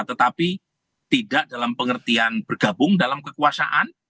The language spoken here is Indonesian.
tetapi tidak dalam pengertian bergabung dalam kekuasaan